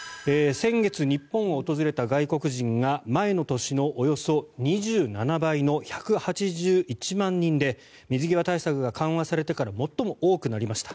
先月、日本を訪れた外国人が前の年のおよそ２７倍の１８１万人で水際対策が緩和されてから最も多くなりました。